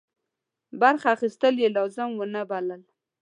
برخه اخیستل یې لازم ونه بلل.